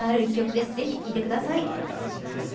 はい楽しみです。